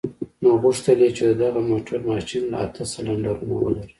نو غوښتل يې چې د دغه موټر ماشين اته سلنډرونه ولري.